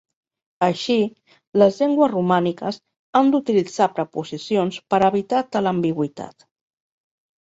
Així, les llengües romàniques han d'utilitzar preposicions per a evitar tal ambigüitat.